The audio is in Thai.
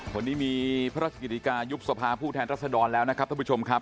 วันนี้มีพระราชกิจายุบสภาผู้แทนรัศดรแล้วนะครับท่านผู้ชมครับ